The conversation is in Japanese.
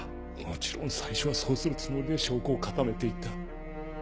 もちろん最初はそうするつもりで証拠を固めて行った。